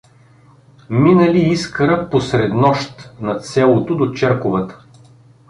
Минали Искъра по среднощ над селото до черковата.